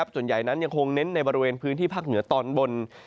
ส่วนใหญ่นั้นยังคงเน้นในบริเวณพื้นที่ภาคเหนือตอนบน